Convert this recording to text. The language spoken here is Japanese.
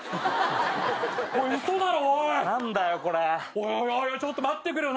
おいおいちょっと待ってくれよ